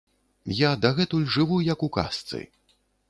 Я дагэтуль жыву, як у казцы.